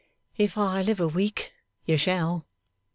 'If I live a week you shall.